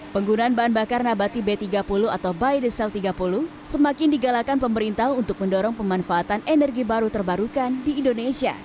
penggunaan bahan bakar nabati b tiga puluh atau biodiesel tiga puluh semakin digalakan pemerintah untuk mendorong pemanfaatan energi baru terbarukan di indonesia